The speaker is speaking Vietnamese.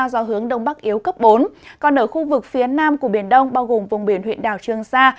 do hướng đông bắc yếu cấp bốn còn ở khu vực phía nam của biển đông bao gồm vùng biển huyện đảo trương sa